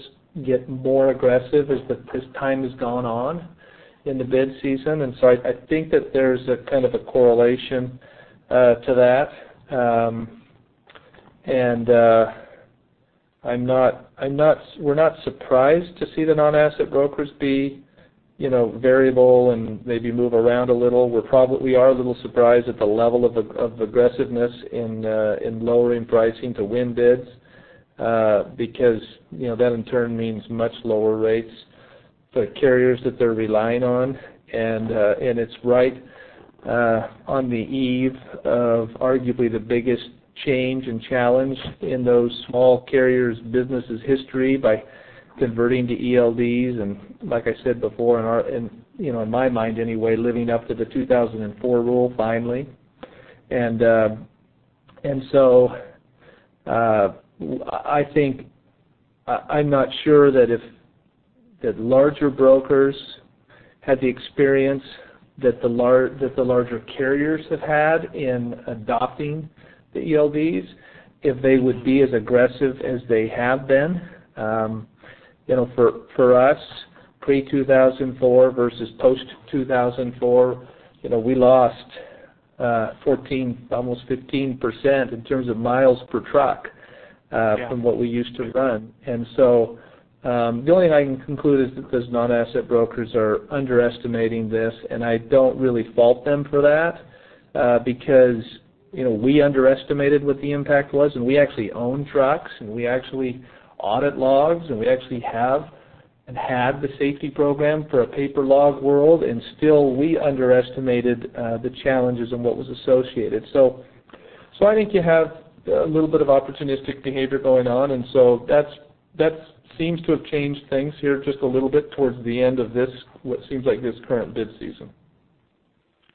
get more aggressive as time has gone on in the bid season. And so I think that there's a kind of a correlation to that. We're not surprised to see the non-asset brokers be, you know, variable and maybe move around a little. We are a little surprised at the level of aggressiveness in lowering pricing to win bids, because, you know, that in turn means much lower rates for the carriers that they're relying on. And, and it's right on the eve of arguably the biggest change and challenge in those small carriers' businesses history by converting to ELDs, and like I said before, in our, in, you know, in my mind, anyway, living up to the 2004 rule, finally. And, and so, I think, I'm not sure that if the larger brokers had the experience that the larger carriers have had in adopting the ELDs, if they would be as aggressive as they have been. You know, for, for us, pre-2004 versus post-2004, you know, we lost 14, almost 15% in terms of miles per truck. Yeah... from what we used to run. And so, the only thing I can conclude is that those non-asset brokers are underestimating this, and I don't really fault them for that.... because, you know, we underestimated what the impact was, and we actually own trucks, and we actually audit logs, and we actually have and had the safety program for a paper log world, and still we underestimated, the challenges and what was associated. So, so I think you have a little bit of opportunistic behavior going on, and so that's- that seems to have changed things here just a little bit towards the end of this, what seems like this current bid season.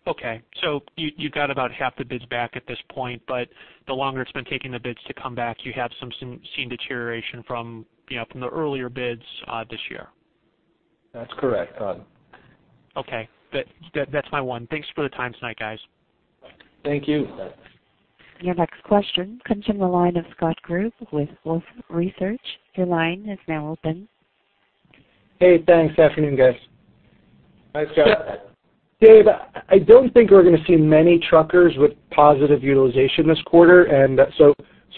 Okay. So you've got about half the bids back at this point, but the longer it's been taking the bids to come back, you've seen deterioration from, you know, from the earlier bids this year? That's correct, Todd. Okay. That's my one. Thanks for the time tonight, guys. Thank you. Your next question comes from the line of Scott Group with Wolfe Research. Your line is now open. Hey, thanks. Afternoon, guys. Hi, Scott. Dave, I don't think we're going to see many truckers with positive utilization this quarter, and so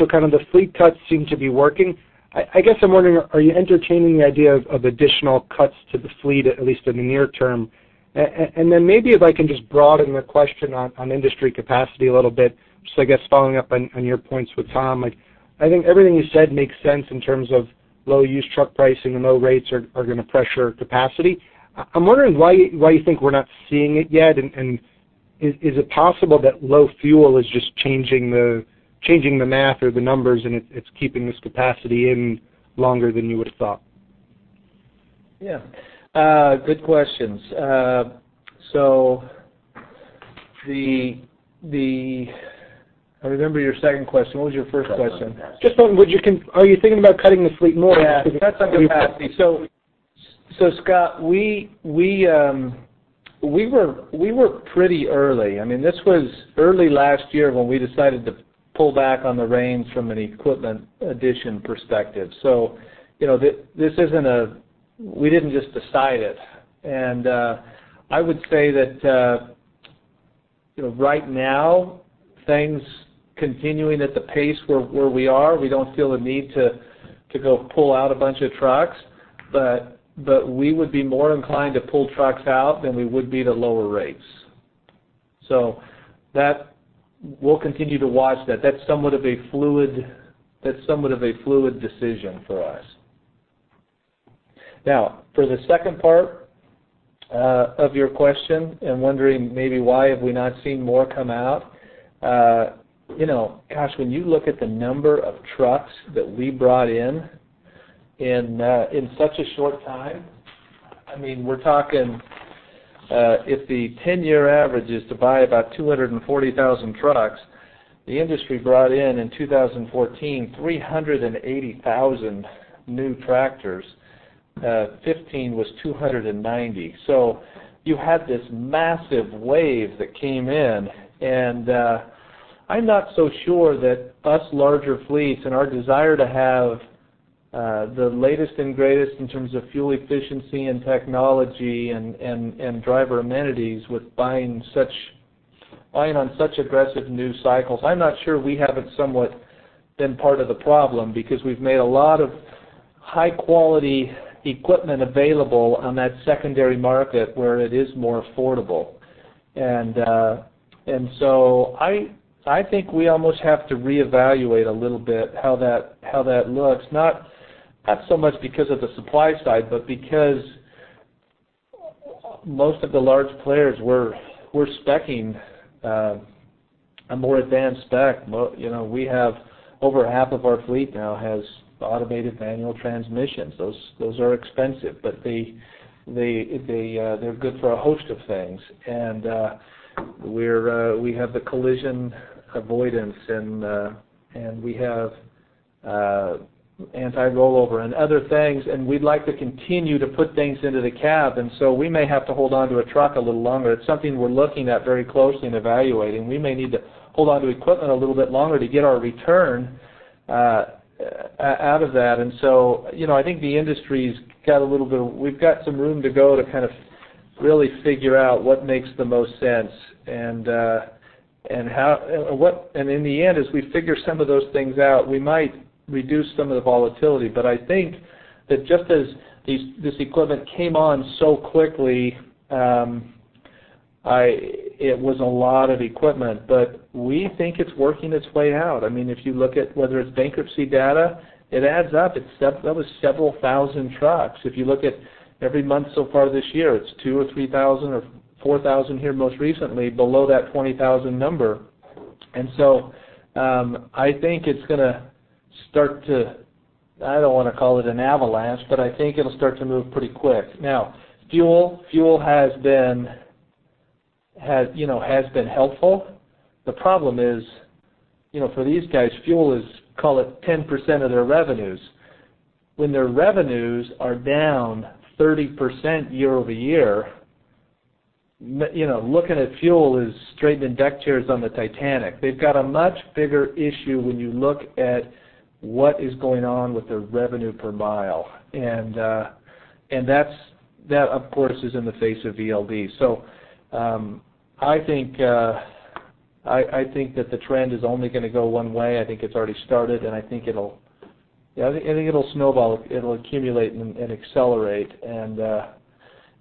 kind of the fleet cuts seem to be working. I guess I'm wondering, are you entertaining the idea of additional cuts to the fleet, at least in the near term? And then maybe if I can just broaden the question on industry capacity a little bit. So I guess following up on your points with Tom, like, I think everything you said makes sense in terms of low used truck pricing and low rates are going to pressure capacity. I'm wondering why you think we're not seeing it yet, and is it possible that low fuel is just changing the math or the numbers, and it's keeping this capacity in longer than you would have thought? Yeah. Good questions. So... I remember your second question. What was your first question? Just on, are you thinking about cutting the fleet more? Yeah, cuts on capacity. So, Scott, we were pretty early. I mean, this was early last year when we decided to pull back on the reins from an equipment addition perspective. So you know, this isn't a, we didn't just decide it. And I would say that, you know, right now, things continuing at the pace where we are, we don't feel the need to go pull out a bunch of trucks, but we would be more inclined to pull trucks out than we would be to lower rates. So that, we'll continue to watch that. That's somewhat of a fluid, that's somewhat of a fluid decision for us. Now, for the second part of your question and wondering maybe why have we not seen more come out? You know, gosh, when you look at the number of trucks that we brought in in such a short time, I mean, we're talking, if the ten-year average is to buy about 240,000 trucks, the industry brought in, in 2014, 380,000 new tractors. Fifteen was 290. So you had this massive wave that came in, and, I'm not so sure that us larger fleets and our desire to have, the latest and greatest in terms of fuel efficiency and technology and driver amenities with buying on such aggressive new cycles. I'm not so sure we haven't somewhat been part of the problem, because we've made a lot of high-quality equipment available on that secondary market where it is more affordable. And so I think we almost have to reevaluate a little bit how that looks, not so much because of the supply side, but because most of the large players, we're spec'ing a more advanced spec. Well, you know, we have over half of our fleet now has automated manual transmissions. Those are expensive, but they're good for a host of things. We have the collision avoidance, and we have anti-rollover and other things, and we'd like to continue to put things into the cab, and so we may have to hold on to a truck a little longer. It's something we're looking at very closely and evaluating. We may need to hold on to equipment a little bit longer to get our return out of that. So, you know, I think the industry's got a little bit of... We've got some room to go to kind of really figure out what makes the most sense. And, and how, and in the end, as we figure some of those things out, we might reduce some of the volatility. But I think that just as this equipment came on so quickly, it was a lot of equipment, but we think it's working its way out. I mean, if you look at whether it's bankruptcy data, it adds up. It's separate. That was several thousand trucks. If you look at every month so far this year, it's 2 or 3 thousand or 4 thousand here, most recently below that 20,000 number. And so, I think it's going to start to, I don't want to call it an avalanche, but I think it'll start to move pretty quick. Now, fuel has been, you know, helpful. The problem is, you know, for these guys, fuel is, call it 10% of their revenues. When their revenues are down 30% year-over-year, you know, looking at fuel is straightening deck chairs on the Titanic. They've got a much bigger issue when you look at what is going on with their revenue per mile. And, and that's, that, of course, is in the face of ELD. So, I think, I think that the trend is only going to go one way. I think it's already started, and I think it'll... Yeah, I think, I think it'll snowball, it'll accumulate and, and accelerate. And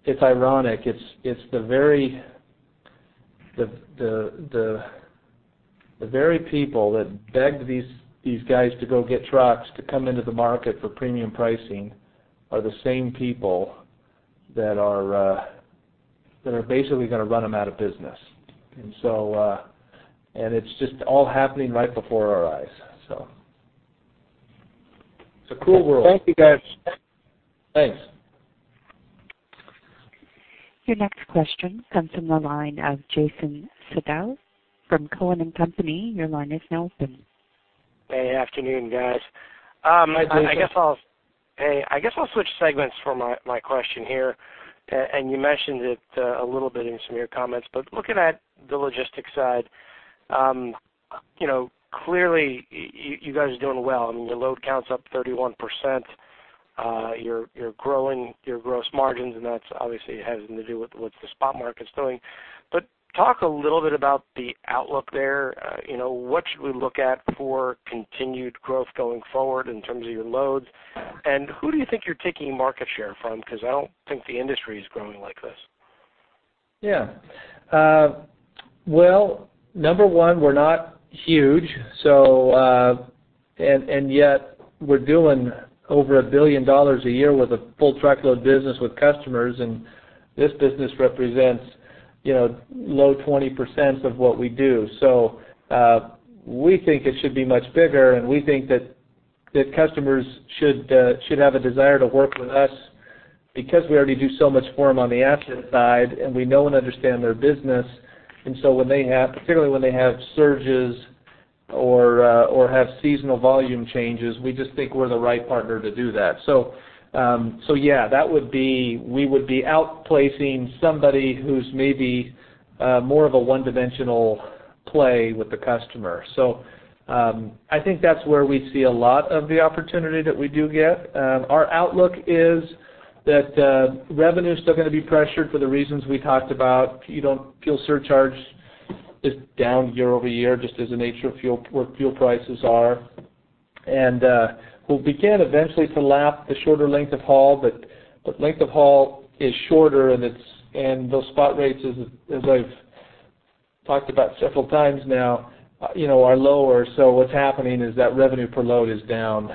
it's ironic. It's the very people that begged these guys to go get trucks to come into the market for premium pricing that are the same people that are basically gonna run them out of business. And so, and it's just all happening right before our eyes. So it's a cool world. Thank you, guys. Thanks. Your next question comes from the line of Jason Seidl from Cowen and Company. Your line is now open. Hey, afternoon, guys.. I guess I'll switch segments for my question here. You mentioned it a little bit in some of your comments. But looking at the logistics side, you know, clearly, you guys are doing well. I mean, your load count's up 31%. You're growing your gross margins, and that's obviously has to do with what the spot market is doing. But talk a little bit about the outlook there. You know, what should we look at for continued growth going forward in terms of your loads? And who do you think you're taking market share from? Because I don't think the industry is growing like this. Yeah. Well, number one, we're not huge, so, and yet we're doing over $1 billion a year with a full truckload business with customers, and this business represents, you know, low 20% of what we do. So, we think it should be much bigger, and we think that customers should have a desire to work with us because we already do so much for them on the asset side, and we know and understand their business. And so when they have, particularly when they have surges or have seasonal volume changes, we just think we're the right partner to do that. So, yeah, that would be—we would be outplacing somebody who's maybe more of a one-dimensional play with the customer. So, I think that's where we see a lot of the opportunity that we do get. Our outlook is that revenue is still gonna be pressured for the reasons we talked about. You don't, fuel surcharge is down year-over-year, just as the nature of fuel, where fuel prices are. And we'll begin eventually to lap the shorter length of haul, but the length of haul is shorter, and it's, and those spot rates, as I've talked about several times now, you know, are lower. So what's happening is that revenue per load is down.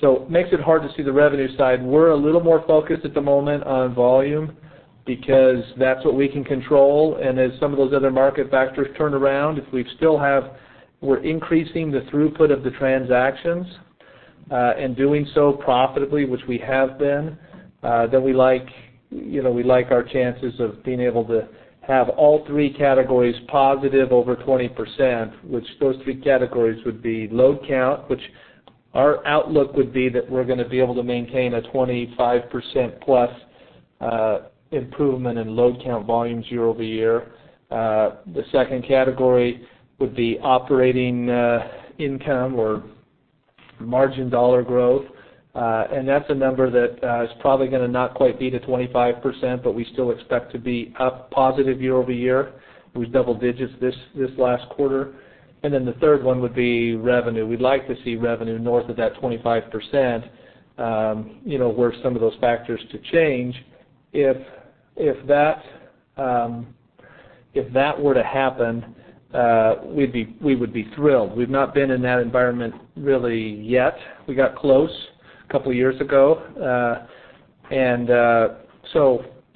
So makes it hard to see the revenue side. We're a little more focused at the moment on volume because that's what we can control, and as some of those other market factors turn around, if we still have... We're increasing the throughput of the transactions, and doing so profitably, which we have been, then we like, you know, we like our chances of being able to have all three categories positive over 20%, which those three categories would be load count, which our outlook would be that we're gonna be able to maintain a 25%+ improvement in load count volumes year-over-year. The second category would be operating income or margin dollar growth, and that's a number that is probably gonna not quite be to 25%, but we still expect to be up positive year-over-year. We've double digits this last quarter. And then the third one would be revenue. We'd like to see revenue north of that 25%, you know, were some of those factors to change. If that were to happen, we would be thrilled. We've not been in that environment really yet. We got close a couple of years ago.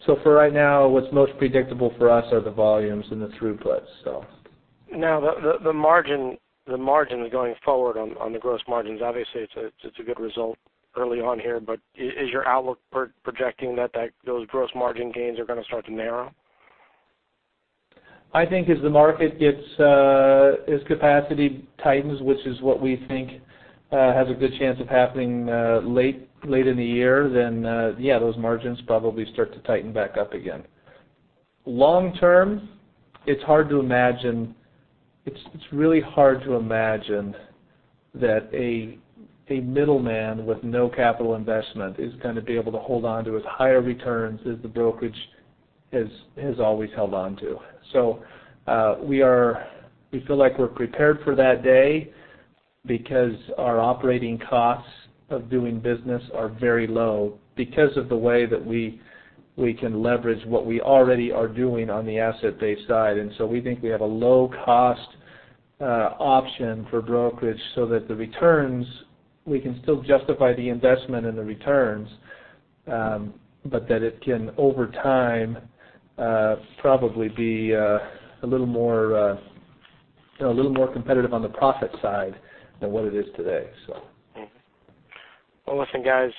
So for right now, what's most predictable for us are the volumes and the throughput, so. Now, the margin going forward on the gross margins, obviously, it's a good result early on here, but is your outlook for projecting that those gross margin gains are gonna start to narrow? I think as the market gets, as capacity tightens, which is what we think, has a good chance of happening, late in the year, then, yeah, those margins probably start to tighten back up again. Long term, it's hard to imagine. It's really hard to imagine that a middleman with no capital investment is gonna be able to hold on to as higher returns as the brokerage has always held on to. So, we feel like we're prepared for that day because our operating costs of doing business are very low because of the way that we can leverage what we already are doing on the asset-based side. And so we think we have a low-cost option for brokerage so that the returns, we can still justify the investment and the returns, but that it can, over time, probably be a little more, you know, a little more competitive on the profit side than what it is today, so. Mm-hmm. Well, listen, guys,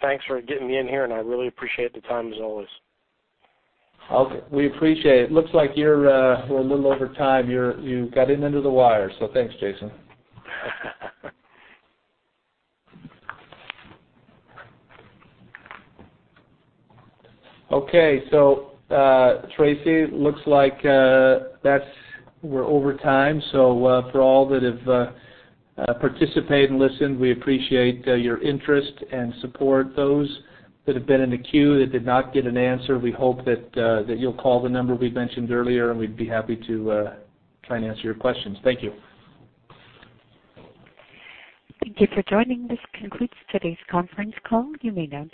thanks for getting me in here, and I really appreciate the time, as always. Okay, we appreciate it. Looks like you're, we're a little over time. You're, you got in under the wire, so thanks, Jason. Okay, so, Tracy, looks like, that's we're over time. So, for all that have, participated and listened, we appreciate, your interest and support. Those that have been in the queue that did not get an answer, we hope that, that you'll call the number we mentioned earlier, and we'd be happy to, try and answer your questions. Thank you. Thank you for joining. This concludes today's conference call. You may now disconnect.